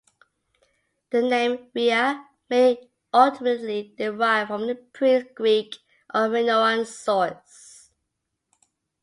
The name "Rhea" may ultimately derive from a pre-Greek or Minoan source.